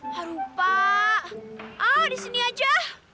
haru pak ah disini aja